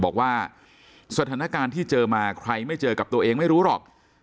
บอกว่าสถานการณ์ที่เจอมาใครไม่เจอกับตัวเองไม่รู้หรอก